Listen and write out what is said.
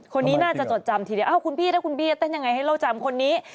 คนนี้น่าจะจดจำทีเดียวคุณพี่ถ้าคุณบี้เต้นยังไงให้โลกจำคนนี้